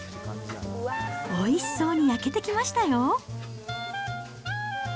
おいしそうに焼けてきましたよ。